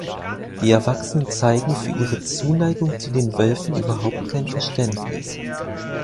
Die Erwachsenen zeigen für ihre Zuneigung zu den Wölfen überhaupt kein Verständnis.